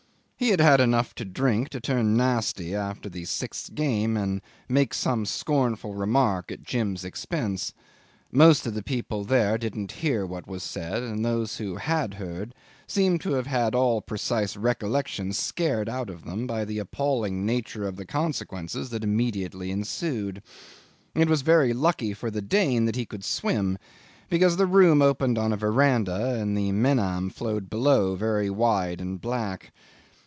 He had had enough to drink to turn nasty after the sixth game, and make some scornful remark at Jim's expense. Most of the people there didn't hear what was said, and those who had heard seemed to have had all precise recollection scared out of them by the appalling nature of the consequences that immediately ensued. It was very lucky for the Dane that he could swim, because the room opened on a verandah and the Menam flowed below very wide and black.